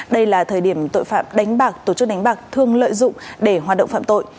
đây là thời điểm tội phạm đánh bạc tổ chức đánh bạc thường lợi dụng để hoạt động phạm tội